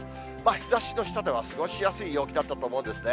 日ざしの下では過ごしやすい陽気だったと思うんですね。